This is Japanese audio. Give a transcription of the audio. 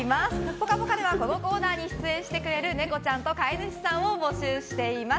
「ぽかぽか」ではこのコーナーに出演してくれるネコちゃんと飼い主さんを募集しています。